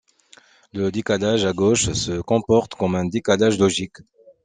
Le décalage à gauche se comporte comme un décalage logique.